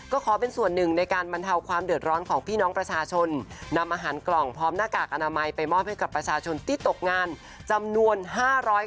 ก็ขอเป็นส่วนหนึ่งในการบรรเทาความเดือดร้อนของพี่น้องประชาชนนำอาหารกล่องพร้อมหน้ากากอนามัยไปมอบให้กับประชาชนที่ตกงานจำนวน๕๐๐บาท